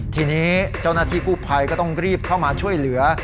ทีนี้เจ้าหน้าที่กู้ภัยก็ต้องรีบเข้ามาช่วยเหลือ